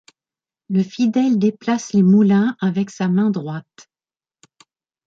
Le fidèle déplace les moulins avec sa main droite.